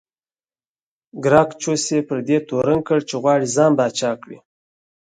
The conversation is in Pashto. ګراکچوس یې پر دې تورن کړ چې غواړي ځان پاچا کړي